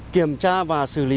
kiểm tra và xử lý